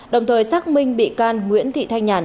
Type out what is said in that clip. đồng thời xác minh bị can nguyễn thị thanh nhàn